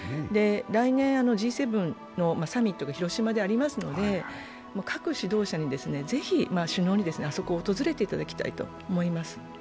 来年、Ｇ７のサミットが広島でありますので、各指導者に、ぜひ首脳にあそこを訪れていただきたいと思います。